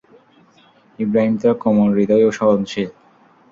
ইবরাহীম তো কোমল হৃদয় ও সহনশীল।